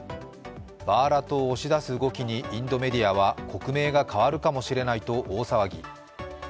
バーラトを押し出す動きにインドメディアは国名が変わるかもしれないと大騒ぎ。